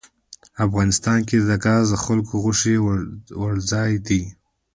افغانستان کې ګاز د خلکو د خوښې وړ ځای دی.